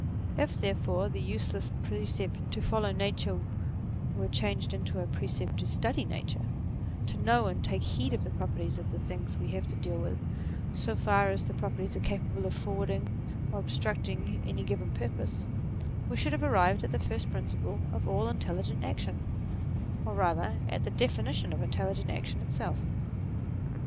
If, therefore, the useless precept to follow nature were changed into a precept to study nature ; to know and take heed of the properties of the things we have to deal with, so far as these properties are capable of forwarding or ob structing any given purpose ; we should have arrived at the first principle of all intelligent action, or rather at the definition of intelligent action itself.